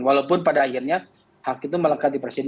walaupun pada akhirnya hak itu melekat di presiden